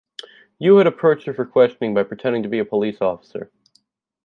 Yoo had approached her for questioning by pretending to be a police officer.